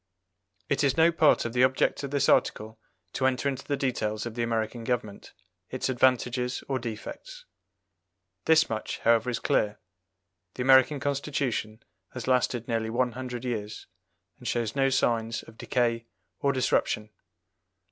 It is no part of the object of this article to enter into the details of the American government, its advantages or defects. This much, however, is clear the American Constitution has lasted nearly one hundred years, and shows no signs of decay or disruption.